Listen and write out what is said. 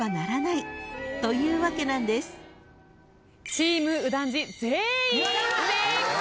チーム右團次全員正解。